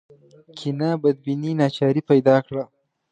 کینه بدبیني ناچاري پیدا کړه